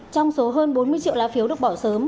trong số hơn bốn mươi triệu lá phiếu được bỏ sớm